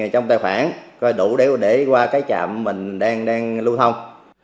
trong tài khoản coi đủ để qua cái trạm mình đang lưu thông